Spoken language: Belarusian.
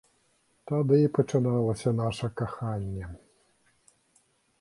Тады пачыналася наша каханне.